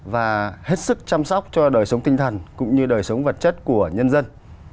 và hết sức chăm sóc cho đời sống tinh thần cũng như đời sống vật chất của nhân dân